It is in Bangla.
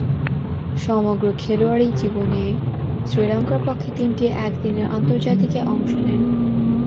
সমগ্র খেলোয়াড়ী জীবনে শ্রীলঙ্কার পক্ষে তিনটি একদিনের আন্তর্জাতিকে অংশ নেন।